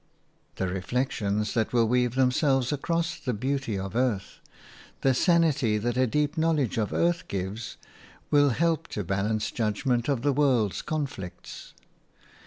The reflections that will weave themselves across the beauty of earth, the sanity that a deep knowledge of earth gives, will help to a balanced judgment of the world's conflicts.